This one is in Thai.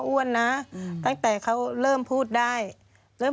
ควิทยาลัยเชียร์สวัสดีครับ